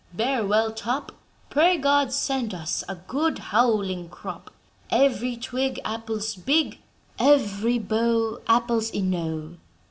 bear well, top! Pray God send us a good howling crop Every twig, apples big; Every bough, apples enow.'